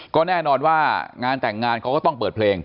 ก็แน่นอนว่างานแต่งงานเขาก็ต้องเปิดเพลง